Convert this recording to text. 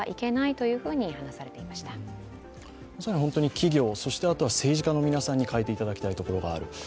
企業、あとは政治家の皆さんに変えていただきたいところがある。